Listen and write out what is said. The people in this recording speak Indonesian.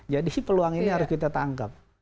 jadi peluang ini harus kita tangkap